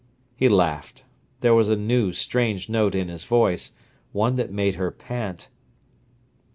He laughed. There was a new, strange note in his voice, one that made her pant.